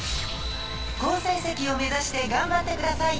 好成績を目指して頑張ってください！